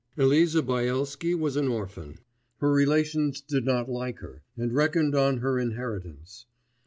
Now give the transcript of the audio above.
Eliza Byelsky was an orphan; her relations did not like her, and reckoned on her inheritance